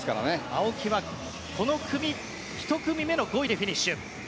青木は１組目の５位でフィニッシュ。